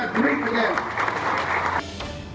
make indonesia great again